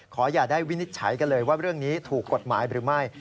อย่าได้วินิจฉัยกันเลยว่าเรื่องนี้ถูกกฎหมายหรือไม่